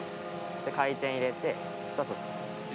で回転入れてそうそうそうそう。